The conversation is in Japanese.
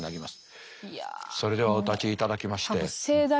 それではお立ちいただきまして。